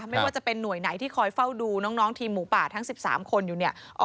ไม่ว่าจะเป็นหน่วยไหนที่คอยเฝ้าดูน้องทีมหมูป่าทั้ง๑๓คนอยู่เนี่ย